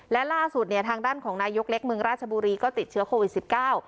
และล่าสุดเนี่ยทางด้านของนายกเล็กเมืองราชบุรีก็ติดเชื้อโควิดสิบเก้า